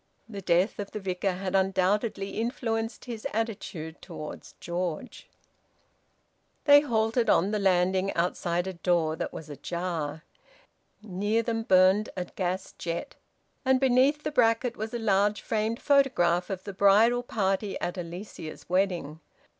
The death of the Vicar had undoubtedly influenced his attitude towards George. They halted on the landing, outside a door that was ajar. Near them burned a gas jet, and beneath the bracket was a large framed photograph of the bridal party at Alicia's wedding.